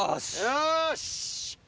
よし！